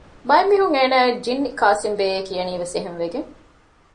ބައެއް މީހުން އޭނާއަށް ޖިންނި ކާސިމްބެއޭ ކިޔަނީވެސް އެހެންވެގެން